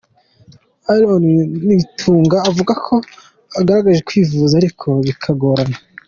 Aaron Nitunga avuga ko yagerageje kwivuza ariko bikagorana.